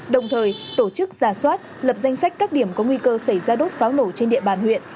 đồng thời tổ chức giả soát lập danh sách các điểm có nguy cơ xảy ra đốt pháo nổ trên địa bàn huyện